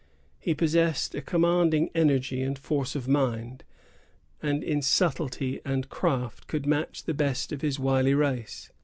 He possessed a commanding energy and force of mind, and in subtlety and craft could match the best of his wily race.